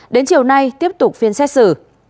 đến chiều nay tiếp tục phiên xét xử